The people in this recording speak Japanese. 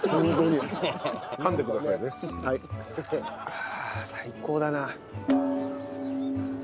ああ最高だな。